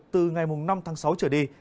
từ ngày mùng năm tháng sáu trở đi